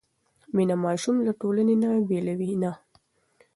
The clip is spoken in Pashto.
مینه ماشوم له ټولنې نه بېلوي نه.